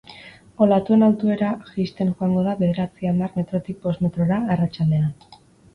Olatuen altuera jaisten joango da bederatzi-hamar metrotik bost metrora, arratsaldean.